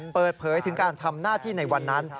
เปิดเผยถึงการทำหน้าที่ในวันนั้น